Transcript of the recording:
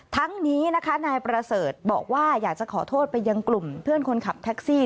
ทั้งนี้นะคะนายประเสริฐบอกว่าอยากจะขอโทษไปยังกลุ่มเพื่อนคนขับแท็กซี่